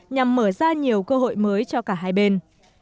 nhằm mở ra nhiều cơ hội mới cho cả hai bên